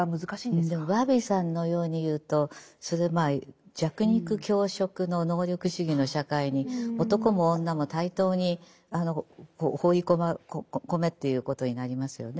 でもバービーさんのように言うとそれ弱肉強食の能力主義の社会に男も女も対等に放り込めということになりますよね。